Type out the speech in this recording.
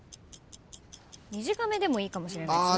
短めでもいいかもしれないです。